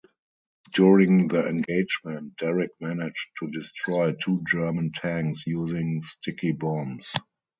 During the engagement, Derrick managed to destroy two German tanks using sticky bombs.